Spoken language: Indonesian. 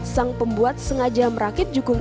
sang pembuat sengaja merakit jukung